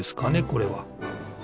これは。